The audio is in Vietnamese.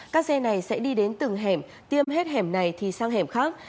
các xe này sẽ đi đến từng hẻm tiêm hết hẻm này thì sang hẻm khác